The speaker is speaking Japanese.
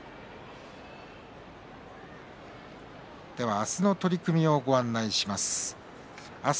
明日の取組をご案内します。